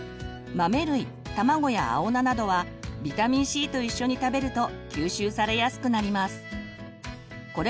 豆類卵や青菜などはビタミンＣと一緒に食べると吸収されやすくなります。